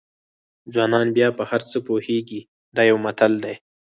ځوانان بیا په هر څه پوهېږي دا یو متل دی.